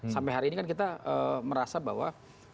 sampai hari ini kan kita merasa bahwa